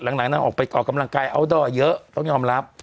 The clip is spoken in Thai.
หลังนางออกไปออกกำลังกายอัลดอร์เยอะต้องยอมรับ